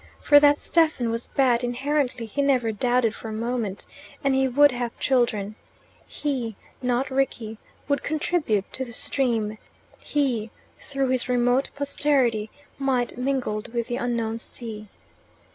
For that Stephen was bad inherently he never doubted for a moment and he would have children: he, not Rickie, would contribute to the stream; he, through his remote posterity, might mingled with the unknown sea.